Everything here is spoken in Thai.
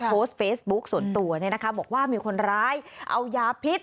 โพสต์เฟซบุ๊คส่วนตัวบอกว่ามีคนร้ายเอายาพิษ